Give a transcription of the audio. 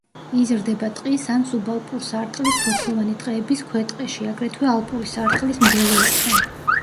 იზრდება ტყის ან სუბალპურ სარტყლის ფოთლოვანი ტყეების ქვეტყეში, აგრეთვე ალპური სარტყლის მდელოებზე.